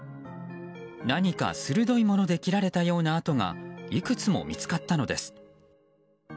何か鋭いもので切られたような跡がいくつも見つかったのです。